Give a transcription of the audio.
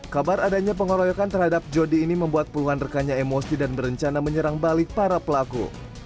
kabar adanya pengeroyokan terhadap jodi ini membuat puluhan rekannya emosi dan berencana menyerang balik para pelaku